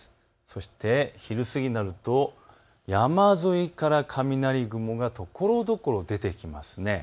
そして昼過ぎになると山沿いから雷雲がところどころ出てきます。